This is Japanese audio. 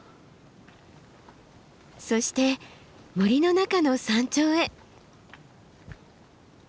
そして森の中の山頂へ。